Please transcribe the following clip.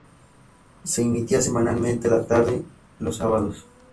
Se emitía semanalmente la tarde los sábados.